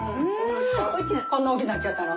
こんな大きゅうなっちゃったの。